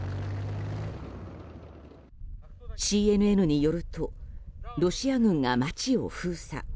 ＣＮＮによるとロシア軍が街を封鎖。